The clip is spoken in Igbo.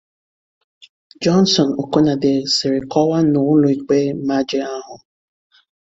Johnson Okunade siri kọwaa n'ụlọikpe Majie ahụ